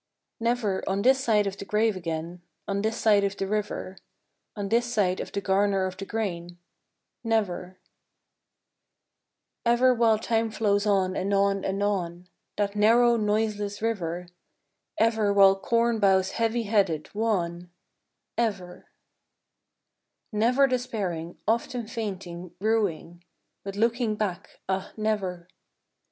EVER on this side of the grave again, On this side of the river, On this side of the garner of the grain, Never,— Ever while time flows on and on and on, That narrow noiseless river, Ever while corn bows heavy headed, wan, Ever, — Never despairing, often fainting, ruing, But looking back, ah never